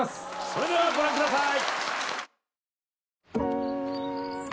それではご覧ください